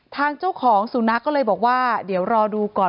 ทางเจ้าของสุนัขก็เลยบอกว่าเดี๋ยวรอดูก่อน